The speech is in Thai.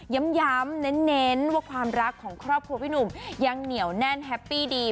ย้ำเน้นว่าความรักของครอบครัวพี่หนุ่มยังเหนียวแน่นแฮปปี้ดี